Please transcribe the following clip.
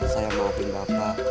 saya maafin bapak